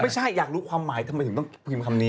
ไม่ใช่อยากรู้ความหมายทำไมถึงต้องพูดคำนี้